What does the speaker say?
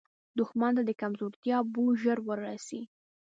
دښمن ته د کمزورتیا بوی ژر وررسي